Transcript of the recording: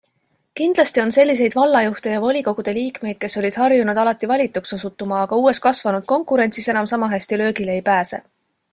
Kindlasti on selliseid vallajuhte ja volikogude liikmeid, kes olid harjunud alati valituks osutuma, aga uues kasvanud konkurentsis enam sama hästi löögile ei pääse.